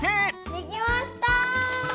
できました！